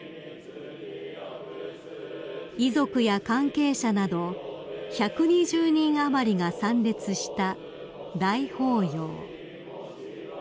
［遺族や関係者など１２０人余りが参列した大法要］